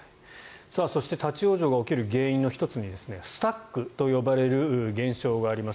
そして立ち往生が起きる原因の１つにスタックと呼ばれる現象があります。